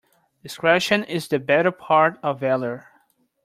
Discretion is the better part of valour.